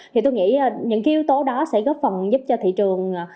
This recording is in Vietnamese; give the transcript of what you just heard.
thì tôi nghĩ những cái yếu tố đó sẽ góp phần giúp cho thị trường